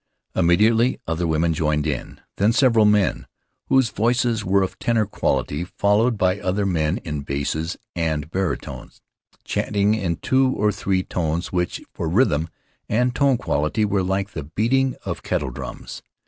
Im mediately other women joined in, then several men whose voices were of tenor quality, followed by other men in basses and barytones, chanting in two or three tones which, for rhythm and tone quality, were like the beating of kettledrums.